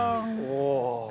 お。